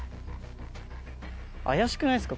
怪しくないすか？